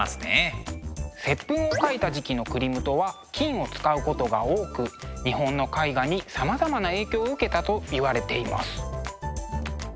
「接吻」を描いた時期のクリムトは金を使うことが多く日本の絵画にさまざまな影響を受けたといわれています。